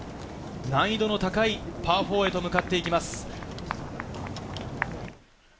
難易度の高いパー４へと向かっていきます。